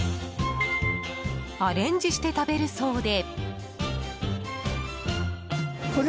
アレンジして食べるそうで。